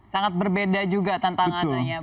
sangat berbeda juga tantangananya